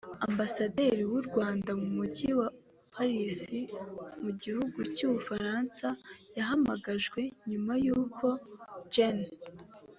Ambasaderi w’u Rwanda mu mujyi wa Paris mu gihugu cy’u Bufaransa yahamagajwe nyuma y’uko Gen